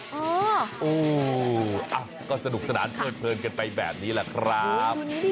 อันก็สนุกสนานเพิ่มกันไปแบบนี้แหละครับ